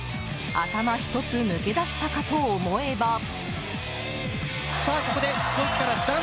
頭一つ抜け出したかと思えば。